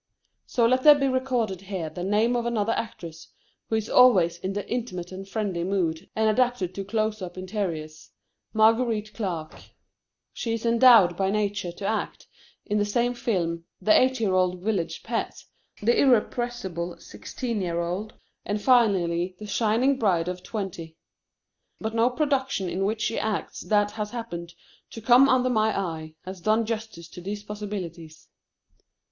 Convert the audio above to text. So let there be recorded here the name of another actress who is always in the intimate and friendly mood and adapted to close up interiors, Marguerite Clark. She is endowed by nature to act, in the same film, the eight year old village pet, the irrepressible sixteen year old, and finally the shining bride of twenty. But no production in which she acts that has happened to come under my eye has done justice to these possibilities.